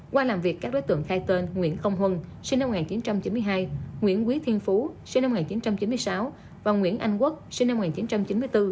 qua làm việc các đối tượng khai tên nguyễn không huân sinh năm một nghìn chín trăm chín mươi hai nguyễn quý thiên phú sinh năm một nghìn chín trăm chín mươi sáu và nguyễn anh quốc sinh năm một nghìn chín trăm chín mươi bốn